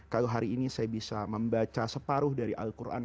kalau hari ini saya bisa membaca separuh dari al quran